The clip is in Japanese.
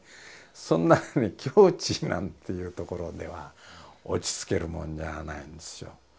そんなね境地なんていうところでは落ち着けるもんじゃないんですよ。